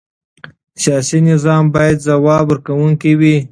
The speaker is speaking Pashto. سیاسي نظام باید ځواب ورکوونکی وي